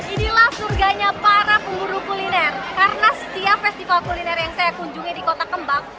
inilah surganya para pemburu kuliner karena setiap festival kuliner yang saya kunjungi di kota kembang